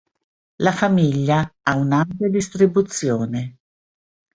La famiglia ha un'ampia distribuzione.